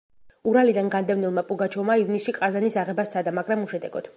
ურალიდან განდევნილმა პუგაჩოვმა ივნისში ყაზანის აღება სცადა, მაგრამ უშედეგოდ.